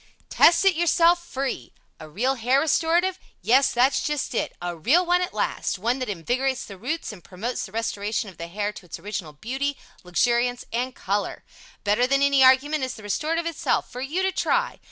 Test It Yourself FREE A real Hair Restorative? Yes that's just it a real one at last one that invigorates the roots and promotes the restoration of the hair to its original beauty, luxuriance and color. Better than any argument is the Restorative itself for you to try.